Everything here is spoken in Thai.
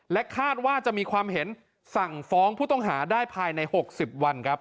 คาดว่าจะมีความเห็นสั่งฟ้องผู้ต้องหาได้ภายใน๖๐วันครับ